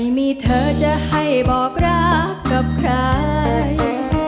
เธอจะให้บอกรักกับใคร